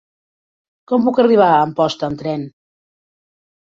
Com puc arribar a Amposta amb tren?